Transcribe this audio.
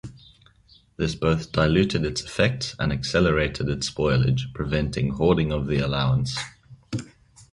This both diluted its effects and accelerated its spoilage, preventing hoarding of the allowance.